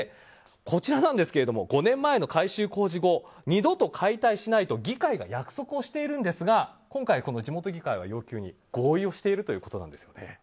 こちらなんですが５年前の改修工事後二度と解体しないと議会が約束をしているんですが今回、地元議会は要求に合意しているということなんです。